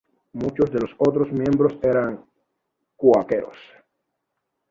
Muchos de los otros miembros eran cuáqueros.